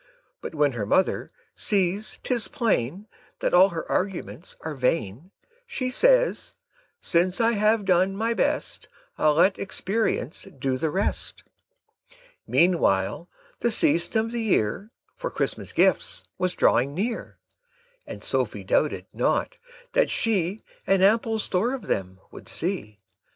But when her mother sees 'tis plain That all her arguments are vain, Says she, "Since I have done my best, I'll let experience do the rest." Meantime the season of the year For Christmas gifts was drawing near, And Sophie doubted not that she An ample store of them would see.